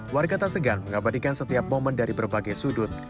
warga tasegan mengabadikan setiap momen dari berbagai sudut